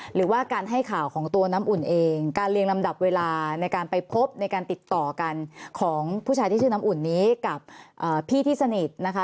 หรือว่าการให้ข่าวของตัวน้ำอุ่นเองการเรียงลำดับเวลาในการไปพบในการติดต่อกันของผู้ชายที่ชื่อน้ำอุ่นนี้กับพี่ที่สนิทนะคะ